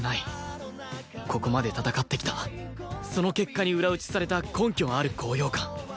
ここまで戦ってきたその結果に裏打ちされた根拠ある高揚感